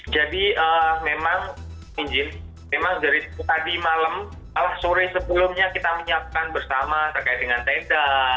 jadi memang dari tadi malam alas sore sebelumnya kita menyiapkan bersama terkait dengan teda